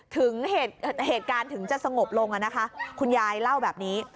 ถึงเหตุการณ์ถึงจะสงบลงนะคะคุณยายเล่าแบบนี้